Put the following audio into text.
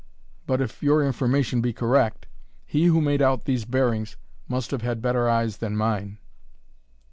But if your information be correct, he who made out these bearings must have had better eyes than mine."